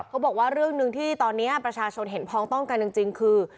เขาบอกว่าเรื่องหนึ่งที่ตอนนี้ประชาชนเห็นพองต้องกันจริงคือ